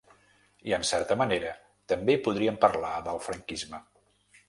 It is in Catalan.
I en certa manera també podríem parlar del franquisme.